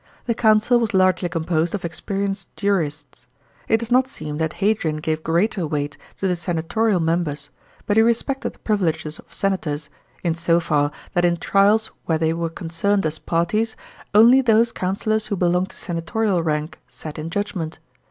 The Council was largely composed of experienced jurists. It does not seem that Hadrian gave greater weight to the senatorial members, but he respected the privileges of senators, in so far that in trials where they were concerned as parties, only those coun cillors who belonged to senatorial rank sat in judgment.